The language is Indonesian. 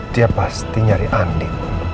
dia pasti nyari andi